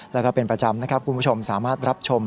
แล้วก็เป็นประจำนะครับคุณผู้ชมสามารถรับชม